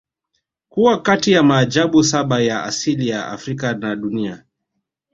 Kuwa kati ya maajabu saba ya asili ya Afrika na dunia